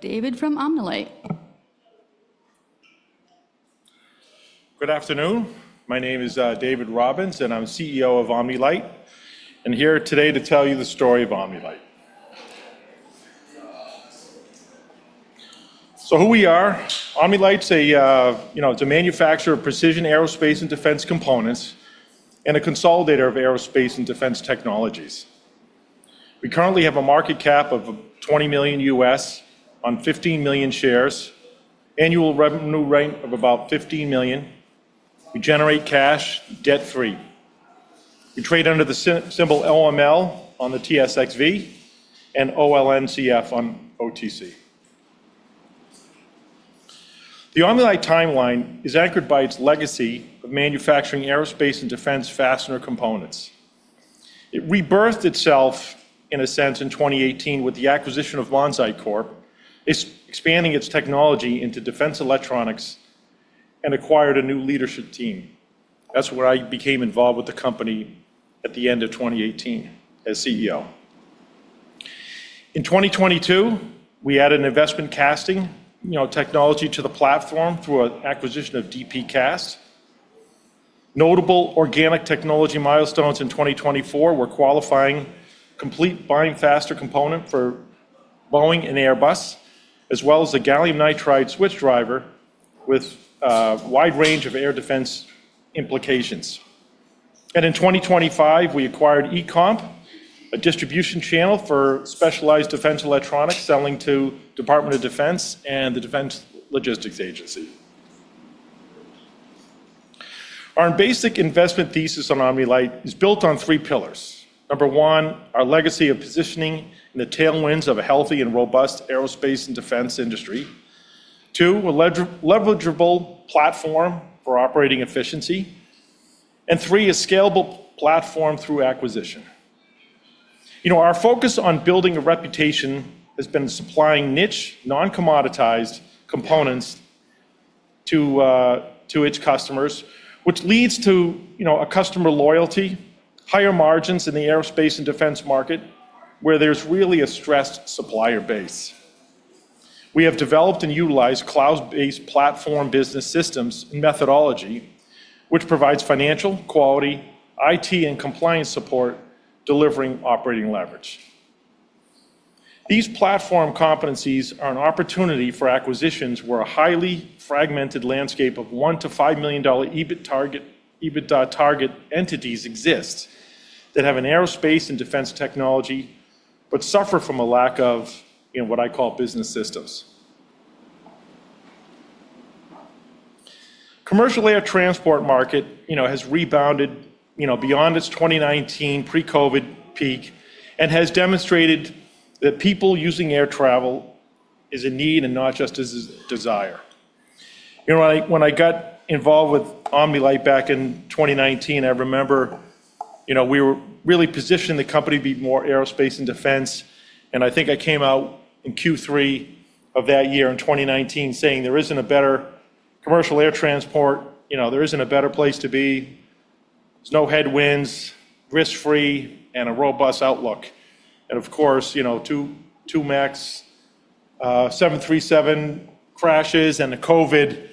David from Omni-Lite. Good afternoon. My name is David Robbins, and I'm CEO of Omni-Lite Industries Canada Inc. I'm here today to tell you the story of Omni-Lite. So who we are, Omni-Lite is a manufacturer of precision aerospace and defense components and a consolidator of aerospace and defense technologies. We currently have a market cap of $20 million USD, on 15 million shares, an annual revenue rate of about $15 million. We generate cash debt-free. We trade under the symbol OML on the TSXV and OLNCF on OTC. The Omni-Lite timeline is anchored by its legacy of manufacturing aerospace and defense fastener components. It rebirthed itself, in a sense, in 2018 with the acquisition of Monsite Corp, expanding its technology into defense electronics, and acquired a new leadership team. That's where I became involved with the company at the end of 2018 as CEO. In 2022, we added investment casting technology to the platform through an acquisition of DPCast. Notable organic technology milestones in 2024 were qualifying complete Boeing and Airbus fastener system components, as well as a gallium nitride (GaN) switch driver with a wide range of air defense implications. In 2025, we acquired ECOMP, a distribution channel for specialized defense electronics, selling to the Department of Defense and the Defense Logistics Agency. Our basic investment thesis on Omni-Lite is built on three pillars. Number one, our legacy of positioning in the tailwinds of a healthy and robust aerospace and defense industry. Two, a leverageable platform for operating efficiency. Three, a scalable platform through acquisition. Our focus on building a reputation has been supplying niche, non-commoditized components to its customers, which leads to customer loyalty, higher margins in the aerospace and defense market, where there's really a stressed supplier base. We have developed and utilized cloud-based business systems and methodology, which provides financial quality, IT, and compliance support, delivering operating leverage. These platform competencies are an opportunity for acquisitions where a highly fragmented landscape of $1 million to $5 million EBITDA target entities exists that have an aerospace and defense technology, but suffer from a lack of what I call business systems. The commercial air transport market has rebounded beyond its 2019 pre-COVID peak and has demonstrated that people using air travel is a need and not just a desire. When I got involved with Omni-Lite Industries Canada Inc. back in 2019, I remember we were really positioning the company to be more aerospace and defense. I think I came out in Q3 of that year in 2019 saying there isn't a better commercial air transport, there isn't a better place to be. There's no headwinds, risk-free, and a robust outlook. Of course, the 737 Max crashes and the COVID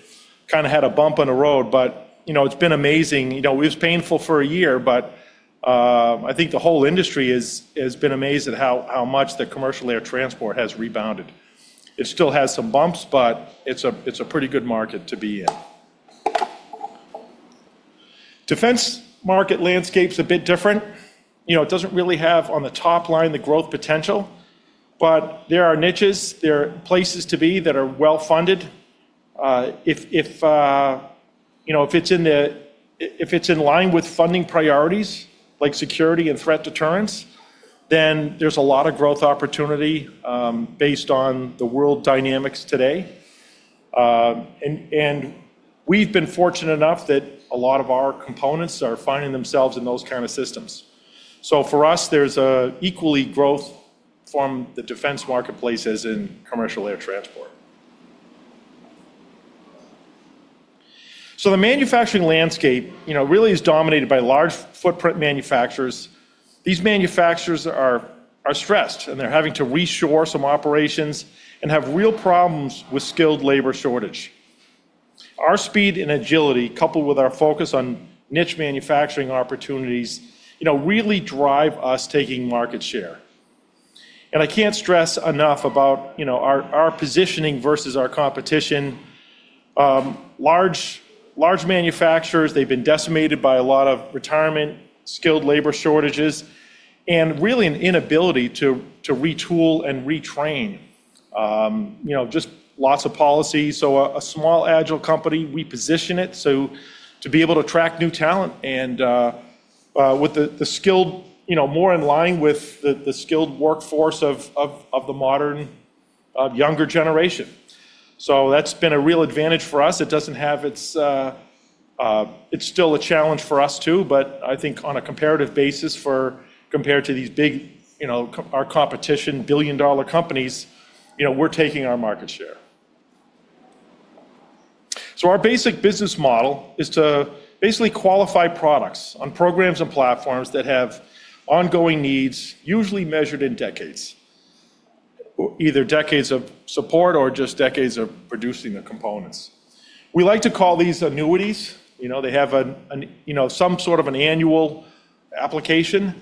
kind of had a bump on the road, but it's been amazing. It was painful for a year, but I think the whole industry has been amazed at how much the commercial air transport has rebounded. It still has some bumps, but it's a pretty good market to be in. The defense market landscape is a bit different. It doesn't really have on the top line the growth potential, but there are niches, there are places to be that are well funded. If it's in line with funding priorities like security and threat deterrence, then there's a lot of growth opportunity based on the world dynamics today. We've been fortunate enough that a lot of our components are finding themselves in those kinds of systems. For us, there's an equally growth from the defense marketplace as in commercial air transport. The manufacturing landscape really is dominated by large footprint manufacturers. These manufacturers are stressed and they're having to reshore some operations and have real problems with skilled labor shortage. Our speed and agility, coupled with our focus on niche manufacturing opportunities, really drive us taking market share. I can't stress enough about our positioning versus our competition. Large manufacturers, they've been decimated by a lot of retirement, skilled labor shortages, and really an inability to retool and retrain. Just lots of policies. A small agile company, we position it to be able to attract new talent and with the skilled, more in line with the skilled workforce of the modern younger generation. That's been a real advantage for us. It's still a challenge for us too, but I think on a comparative basis compared to these big, our competition, billion dollar companies, we're taking our market share. Our basic business model is to basically qualify products on programs and platforms that have ongoing needs, usually measured in decades, either decades of support or just decades of producing the components. We like to call these annuities. They have some sort of an annual application.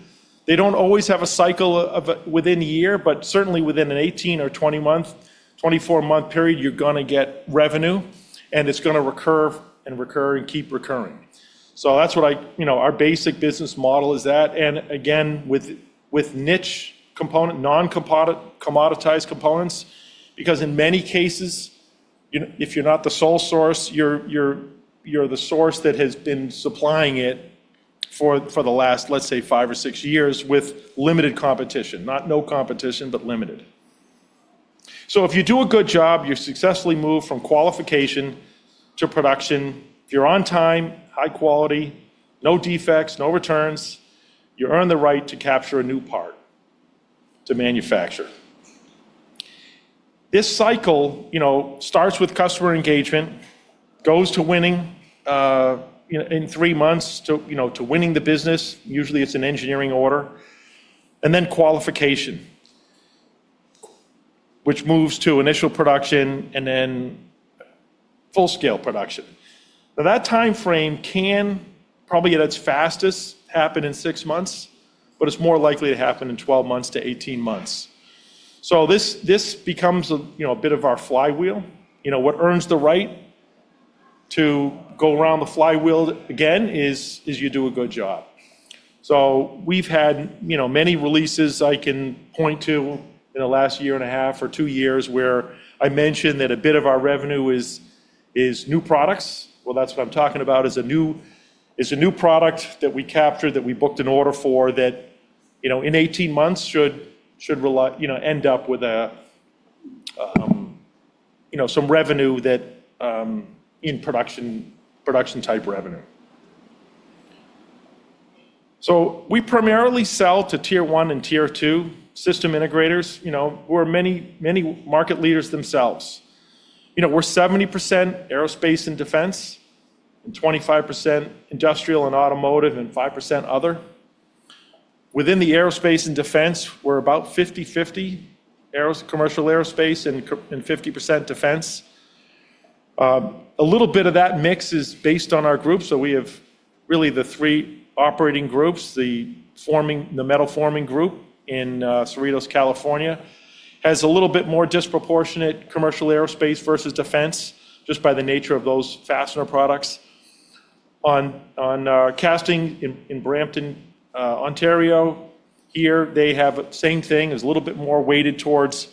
They don't always have a cycle within a year, but certainly within an 18 or 24 month period, you're going to get revenue and it's going to recur and recur and keep recurring. That's what our basic business model is. Again, with niche components, non-commoditized components, because in many cases, if you're not the sole source, you're the source that has been supplying it for the last, let's say, five or six years with limited competition, not no competition, but limited. If you do a good job, you successfully move from qualification to production. If you're on time, high quality, no defects, no returns, you earn the right to capture a new part to manufacture. This cycle starts with customer engagement, goes to winning in three months to winning the business. Usually, it's an engineering order and then qualification, which moves to initial production and then full scale production. That timeframe can probably at its fastest happen in six months, but it's more likely to happen in 12 months to 18 months. This becomes a bit of our flywheel. What earns the right to go around the flywheel again is you do a good job. We've had many releases I can point to in the last year and a half or two years where I mentioned that a bit of our revenue is new products. That's what I'm talking about, a new product that we captured that we booked an order for that in 18 months should end up with some revenue in production type revenue. We primarily sell to tier one and tier two system integrators. We're many market leaders themselves. We're 70% aerospace and defense, 25% industrial and automotive, and 5% other. Within the aerospace and defense, we're about 50/50 commercial aerospace and 50% defense. A little bit of that mix is based on our group. We have really the three operating groups. The metal forming group in Cerritos, California, has a little bit more disproportionate commercial aerospace versus defense just by the nature of those fastener products. On castings in Brampton, Ontario, they have the same thing. It's a little bit more weighted towards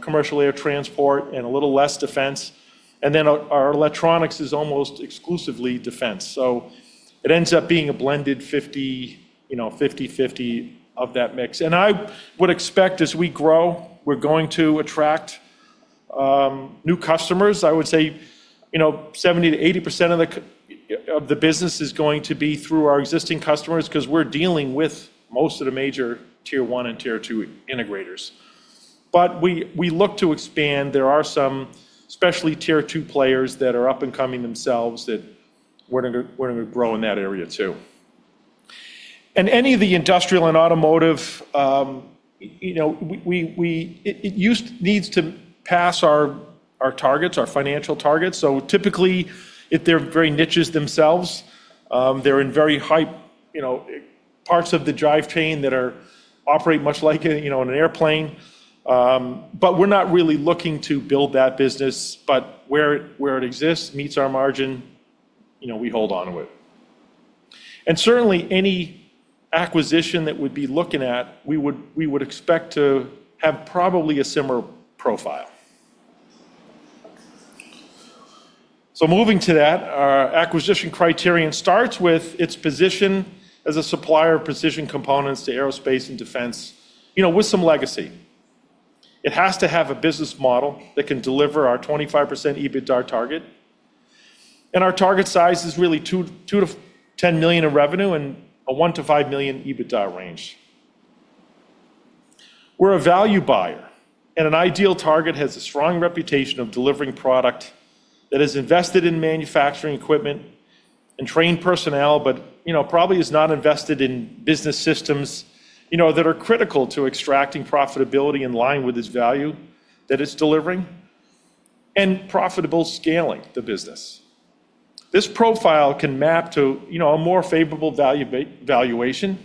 commercial air transport and a little less defense. Our electronics is almost exclusively defense. It ends up being a blended 50/50 of that mix. I would expect as we grow, we're going to attract new customers. I would say 70 to 80% of the business is going to be through our existing customers because we're dealing with most of the major tier one and tier two integrators. We look to expand. There are some, especially tier two players that are up and coming themselves that we're going to grow in that area too. Any of the industrial and automotive, it needs to pass our targets, our financial targets. Typically, if they're very niches themselves, they're in very high parts of the drive chain that operate much like an airplane. We're not really looking to build that business. Where it exists, meets our margin, we hold on to it. Certainly, any acquisition that we'd be looking at, we would expect to have probably a similar profile. Moving to that, our acquisition criterion starts with its position as a supplier of precision components to aerospace and defense, you know, with some legacy. It has to have a business model that can deliver our 25% EBITDA target. Our target size is really $2 million to $10 million in revenue and a $1 million to $5 million EBITDA range. We're a value buyer, and an ideal target has a strong reputation of delivering product that is invested in manufacturing equipment and trained personnel, but probably is not invested in business systems that are critical to extracting profitability in line with its value that it's delivering and profitable scaling the business. This profile can map to a more favorable valuation,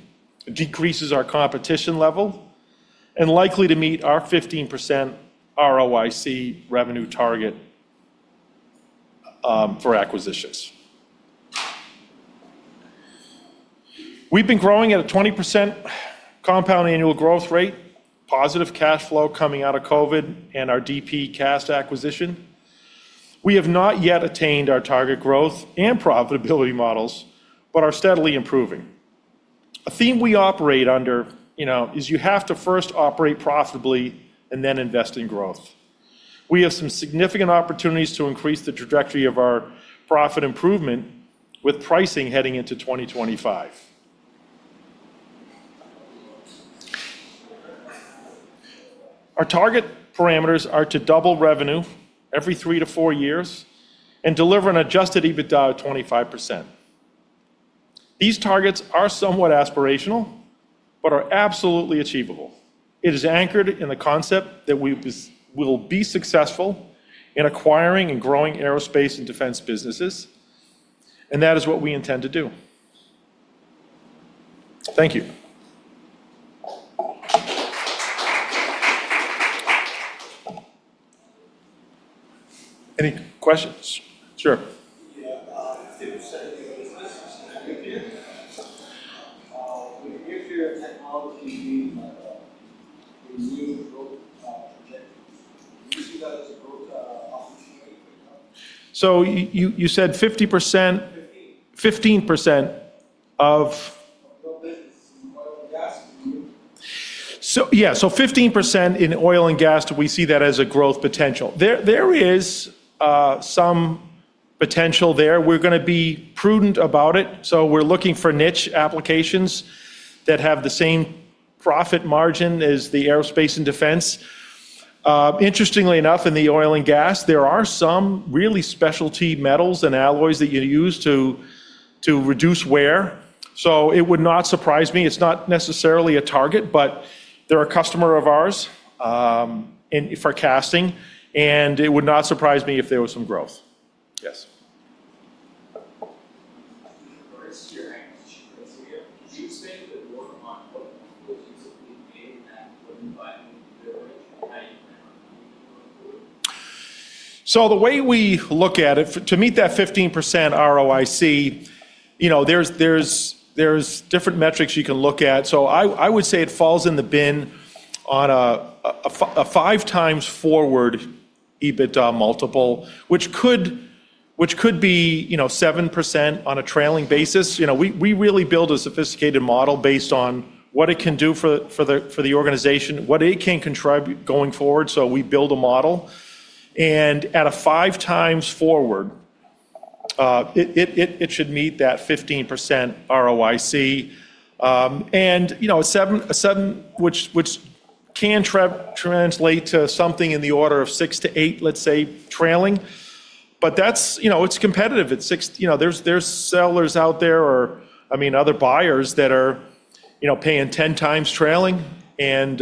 decreases our competition level, and is likely to meet our 15% ROIC revenue target for acquisitions. We've been growing at a 20% compound annual growth rate, positive cash flow coming out of COVID and our DPCast acquisition. We have not yet attained our target growth and profitability models, but are steadily improving. A theme we operate under is you have to first operate profitably and then invest in growth. We have some significant opportunities to increase the trajectory of our profit improvement with pricing heading into 2025. Our target parameters are to double revenue every three to four years and deliver an adjusted EBITDA of 25%. These targets are somewhat aspirational, but are absolutely achievable. It is anchored in the concept that we will be successful in acquiring and growing aerospace and defense businesses, and that is what we intend to do. Thank you. Any questions? Sure. If you're setting these businesses to execute, what do you hear of technology being a new growth trajectory? Do you see that as a growth opportunity right now? You said 15% of. No business in oil and gas? Yeah, so 15% in oil and gas, do we see that as a growth potential? There is some potential there. We're going to be prudent about it. We're looking for niche applications that have the same profit margin as the aerospace and defense. Interestingly enough, in oil and gas, there are some really specialty metals and alloys that you use to reduce wear. It would not surprise me. It's not necessarily a target, but they're a customer of ours for castings, and it would not surprise me if there was some growth. Yes. In regards to your annual chip rate, could you expand a bit more on what you believe is a big pay in that? What do you value in the chip rate, and how you plan on moving it going forward? The way we look at it, to meet that 15% ROIC, there's different metrics you can look at. I would say it falls in the bin on a five times forward EBITDA multiple, which could be 7% on a trailing basis. We really build a sophisticated model based on what it can do for the organization, what it can contribute going forward. We build a model, and at a five times forward, it should meet that 15% ROIC. At a seven, which can translate to something in the order of six to eight, let's say, trailing. It's competitive. There are sellers out there or other buyers that are paying 10 times trailing, and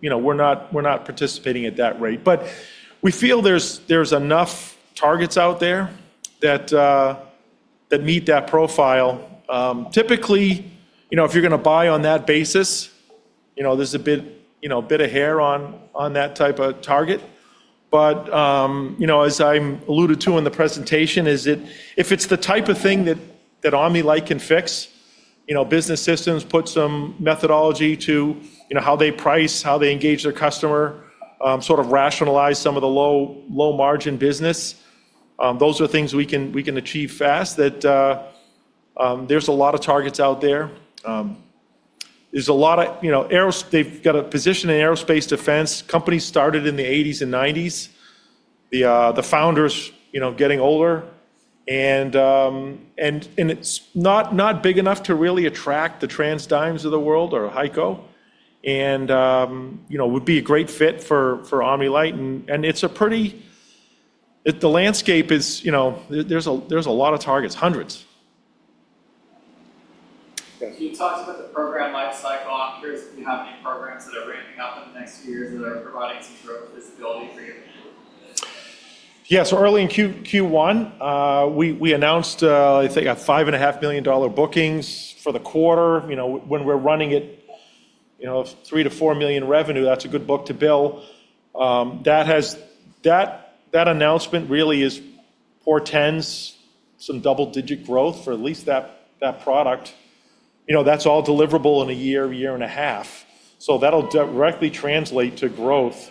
we're not participating at that rate. We feel there's enough targets out there that meet that profile. Typically, if you're going to buy on that basis, there's a bit of hair on that type of target. As I alluded to in the presentation, if it's the type of thing that Omni-Lite can fix—business systems, put some methodology to how they price, how they engage their customer, sort of rationalize some of the low margin business—those are things we can achieve fast. There are a lot of targets out there. They've got a position in aerospace defense. Companies started in the 1980s and 1990s. The founders are getting older, and it's not big enough to really attract the TransDynes of the world or HYCO, and would be a great fit for Omni-Lite. The landscape is there's a lot of targets, hundreds. You talked about the program lifecycle. I'm curious if you have any programs that are ramping up in the next few years that are providing some growth visibility for you. Yes, early in Q1, we announced I think a $5.5 million bookings for the quarter. When we're running at $3 to $4 million revenue, that's a good book to bill. That announcement really is for tens, some double digit growth for at least that product. That's all deliverable in a year, year and a half. That'll directly translate to growth.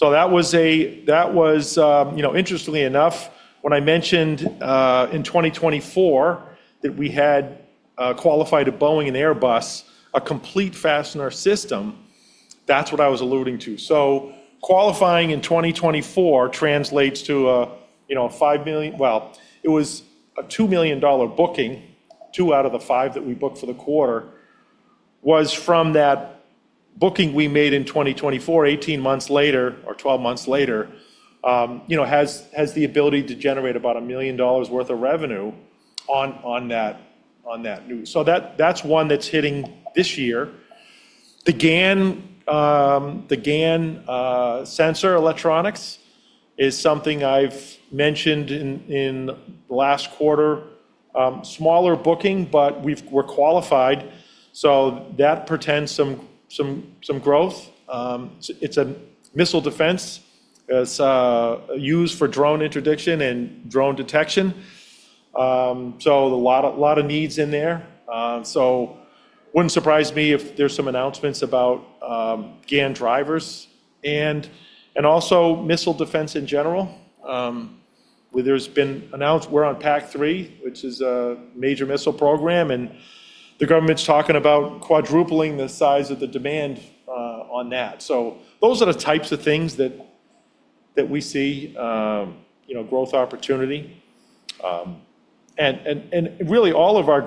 That was interestingly enough when I mentioned in 2024 that we had qualified at Boeing and Airbus a complete fastener system. That's what I was alluding to. Qualifying in 2024 translates to a $5 million, well, it was a $2 million booking. Two out of the five that we booked for the quarter was from that booking we made in 2024, 18 months later or 12 months later, has the ability to generate about $1 million worth of revenue on that new. That's one that's hitting this year. The gallium nitride (GaN) sensor electronics is something I've mentioned in the last quarter, smaller booking, but we're qualified. That portends some growth. It's a missile defense. It's used for drone interdiction and drone detection. A lot of needs in there. It wouldn't surprise me if there's some announcements about GaN drivers and also missile defense in general. There's been announced we're on PAC-3, which is a major missile program, and the government's talking about quadrupling the size of the demand on that. Those are the types of things that we see growth opportunity. Really all of our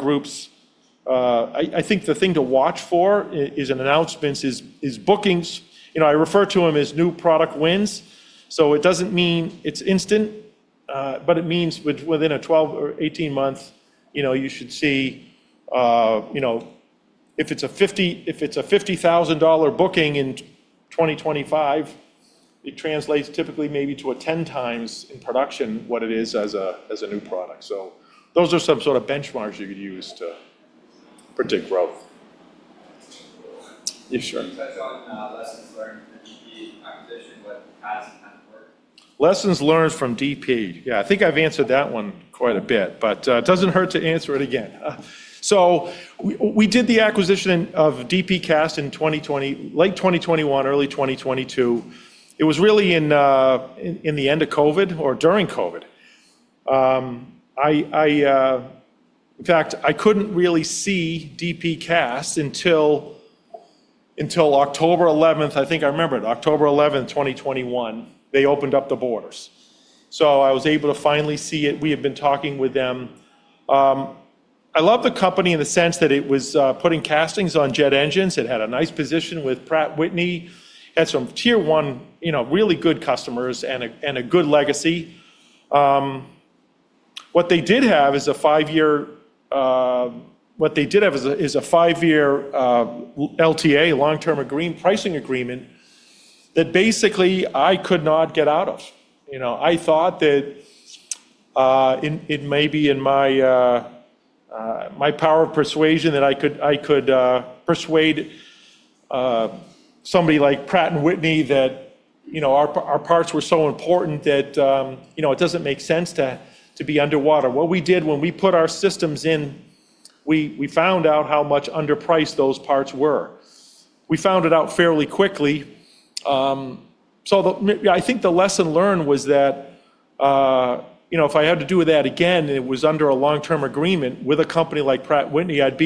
groups, I think the thing to watch for in announcements is bookings. I refer to them as new product wins. It doesn't mean it's instant, but it means within a 12 or 18 months, you should see if it's a $50,000 booking in 2025, it translates typically maybe to a 10 times in production what it is as a new product. Those are some sort of benchmarks you could use to predict growth. Yeah, sure. You touched on lessons learned from the DPCast acquisition. What has and hasn't worked? Lessons learned from DP. I think I've answered that one quite a bit, but it doesn't hurt to answer it again. We did the acquisition of DPCast in late 2021, early 2022. It was really in the end of COVID or during COVID. In fact, I couldn't really see DPCast until October 11, I think I remember it, October 11, 2021. They opened up the borders. I was able to finally see it. We had been talking with them. I love the company in the sense that it was putting castings on jet engines. It had a nice position with Pratt & Whitney. It had some tier one, really good customers and a good legacy. What they did have is a five-year LTA, long-term pricing agreement that basically I could not get out of. I thought that it may be in my power of persuasion that I could persuade somebody like Pratt & Whitney that our parts were so important that it doesn't make sense to be underwater. What we did when we put our systems in, we found out how much underpriced those parts were. We found it out fairly quickly. I think the lesson learned was that if I had to do that again, it was under a long-term agreement with a company like Pratt & Whitney. I would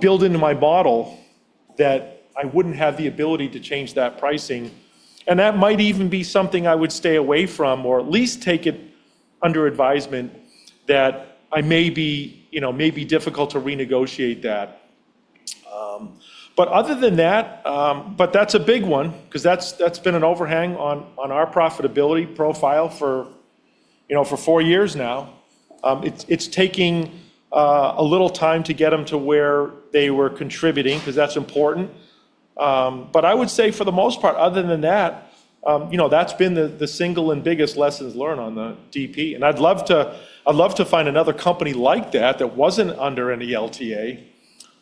build into my model that I wouldn't have the ability to change that pricing. That might even be something I would stay away from or at least take it under advisement that it may be difficult to renegotiate that. Other than that, that's a big one because that's been an overhang on our profitability profile for four years now. It's taking a little time to get them to where they were contributing because that's important. I would say for the most part, other than that, that's been the single and biggest lesson learned on the DP. I'd love to find another company like that that wasn't under any LTA,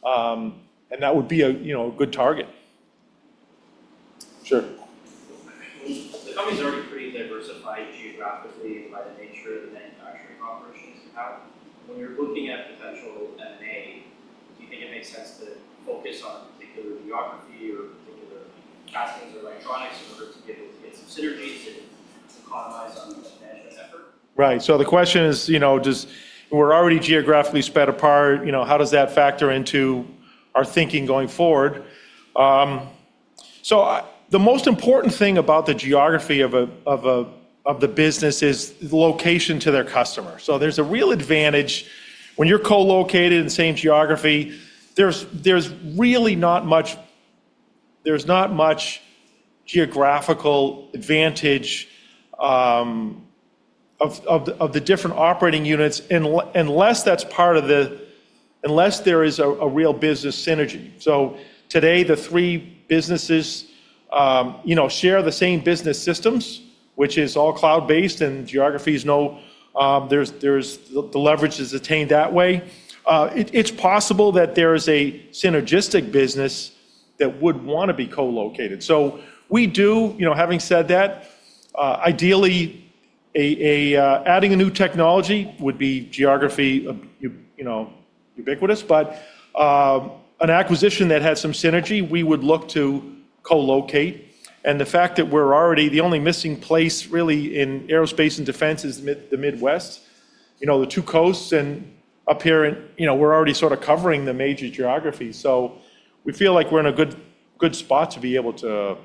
and that would be a good target. Sure. The company's already pretty diversified geographically by the nature of the manufacturing operations. When you're looking at potential M&A, do you think it makes sense to focus on a particular geography or particular castings or electronics in order to be able to get some synergies and economize on the management effort? Right. The question is, you know, we're already geographically split apart. How does that factor into our thinking going forward? The most important thing about the geography of the business is the location to their customer. There's a real advantage when you're co-located in the same geography. There's really not much geographical advantage of the different operating units unless there is a real business synergy. Today, the three businesses share the same business systems, which is all cloud-based, and geographies know the leverage is attained that way. It's possible that there is a synergistic business that would want to be co-located. Having said that, ideally adding a new technology would be geography ubiquitous, but an acquisition that had some synergy, we would look to co-locate. The fact that we're already the only missing place really in aerospace and defense is the Midwest, the two coasts, and up here, we're already sort of covering the major geographies. We feel like we're in a good spot to be able to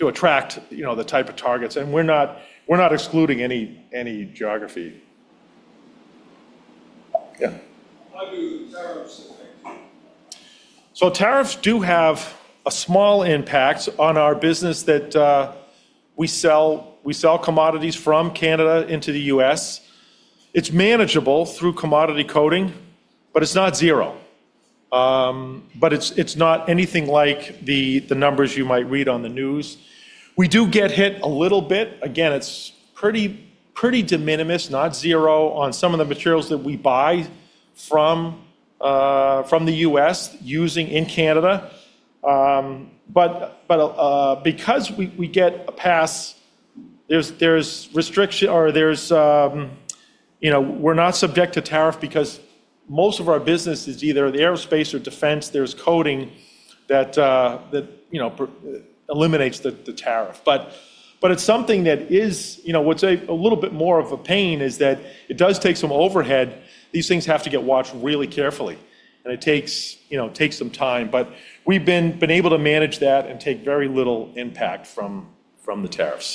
attract the type of targets, and we're not excluding any geography. Yeah. How do tariffs affect you? Tariffs do have a small impact on our business that we sell commodities from Canada into the U.S. It's manageable through commodity coding, but it's not zero. It's not anything like the numbers you might read on the news. We do get hit a little bit. Again, it's pretty de minimis, not zero on some of the materials that we buy from the U.S. using in Canada. Because we get a pass, we're not subject to tariff because most of our business is either the aerospace or defense. There's coding that eliminates the tariff. What's a little bit more of a pain is that it does take some overhead. These things have to get watched really carefully, and it takes some time. We've been able to manage that and take very little impact from the tariffs.